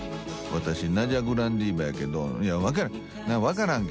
私ナジャ・グランディーバやけどいや分からん！